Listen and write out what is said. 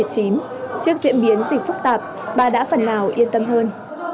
trước diễn biến dịch phức tạp bà đã phần nào yên tâm hơn